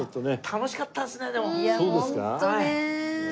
楽しかったです。